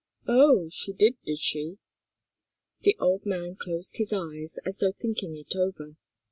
"Oh she did, did she?" The old man closed his eyes, as though thinking it over.